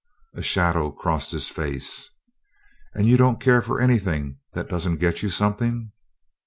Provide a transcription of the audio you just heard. A shadow crossed his face. "And you don't care for anything that doesn't get you something?"